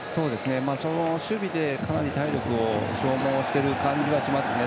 守備でかなり体力を消耗している感じがしますね。